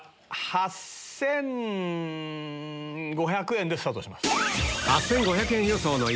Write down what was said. ８５００円でスタートします。